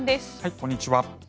こんにちは。